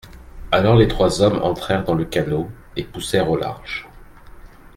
Alors les trois hommes entrèrent dans le canot, et poussèrent au large.